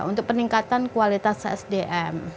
untuk peningkatan kualitas sdm